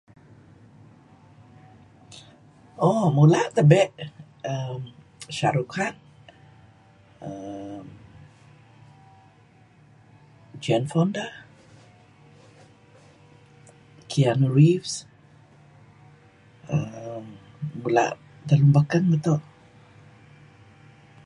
Ooh mula' tabe Shar Khan, uhm Jane Fonda, Keanu Reeavs, uhm mul' tah lun baken meto'.